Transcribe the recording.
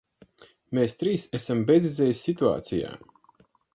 Mēs trīs esam bezizejas situācijā.